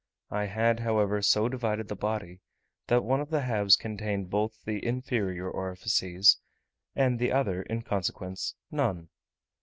I had, however, so divided the body, that one of the halves contained both the inferior orifices, and the other, in consequence, none.